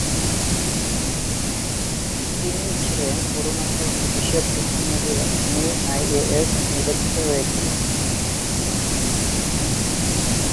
তিনিই ছিলেন অরুণাচল প্রদেশের প্রথম মহিলা যিনি আইএএস নির্বাচিত হয়েছিলেন।